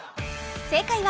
正解は